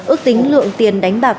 ước tính lượng tiền đánh bạc